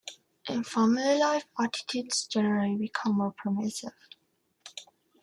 In family life, attitudes generally became more permissive.